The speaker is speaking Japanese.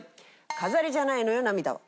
『飾りじゃないのよ涙は』。